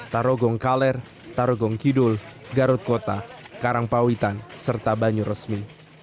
tarogong kaler tarogong kidul garut kota karangpawitan serta banyu resmi